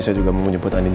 saya juga mau menjemput anin